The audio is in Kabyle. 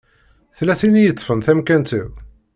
Tella tin i yeṭṭfen tamkant-iw.